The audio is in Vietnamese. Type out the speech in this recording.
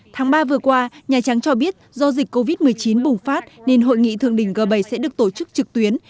tháng ba vừa qua nhà trắng cho biết do dịch covid một mươi chín bùng phát nên hội nghị thượng đỉnh g bảy sẽ được tổ chức trực tuyến